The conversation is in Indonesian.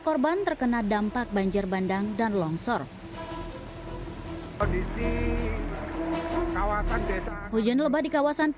korban terkena dampak banjir bandang dan longsor kondisi kawasan desa hujan lebat di kawasan